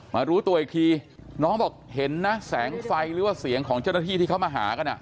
รู้ตัวอีกทีน้องบอกเห็นนะแสงไฟหรือว่าเสียงของเจ้าหน้าที่ที่เขามาหากัน